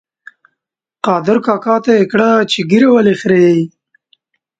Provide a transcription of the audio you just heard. قادر کاکا ته یې کړه چې ږیره ولې خرېیې؟